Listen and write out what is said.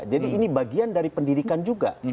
jadi ini bagian dari pendidikan juga